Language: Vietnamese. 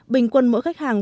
bình quân mỗi khách hàng